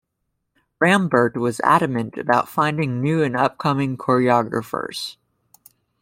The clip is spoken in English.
Rambert was adamant about finding new and upcoming choreographers.